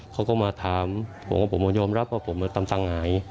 เขาก็มาถามผมว่าผมยอมรับว่าผมตำสั่งหาย